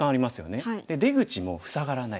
で出口も塞がらない。